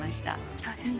そうですね